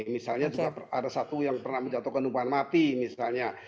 misalnya juga ada satu yang pernah menjatuhkan hukuman mati misalnya